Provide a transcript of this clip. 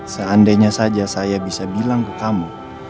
seandainya saja saya bisa bilang ke kamu